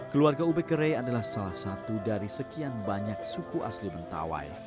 keluarga ube kere adalah salah satu dari sekian banyak suku asli mentawai